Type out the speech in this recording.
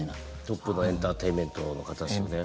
トップのエンターテインメントの方ですよね。